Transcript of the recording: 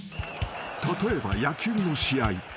［例えば野球の試合］